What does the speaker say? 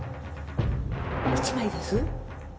「１枚です？」